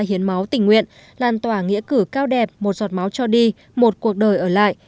hiến máu tình nguyện lan tỏa nghĩa cử cao đẹp một giọt máu cho đi một cuộc đời ở lại